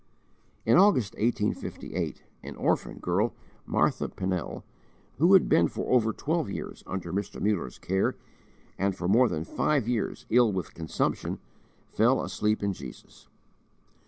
In August, 1858, an orphan girl, Martha Pinnell, who had been for over twelve years under Mr. Muller's care, and for more than five years ill with consumption, fell asleep in Jesus.